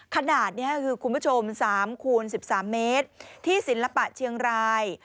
ขนาดนี้คือคุณผู้ชม๓คูณ๑๓เมตรที่ศิลปะเชียงราย